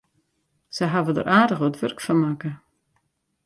Se hawwe der aardich wat wurk fan makke.